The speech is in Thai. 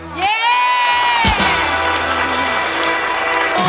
ตัวช่วยนี้มันรอดนะ